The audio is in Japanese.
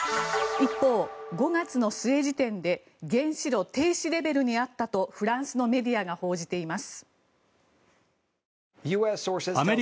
一方、５月の末時点で原子炉停止レベルにあったとフランスのメディアが報じています。